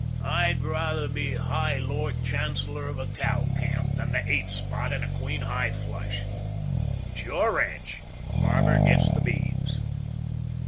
I'd rather be High Lord Chancellor of a cow camp than the eight spot in a queen high flush. It's your ranch; and Barber gets the beeves."